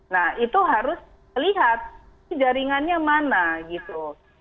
nah itu harus lihat jaringannya mana gitu